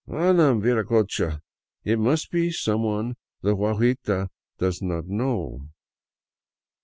" Manam, viracocha ; it must be some one the guaguita does not know."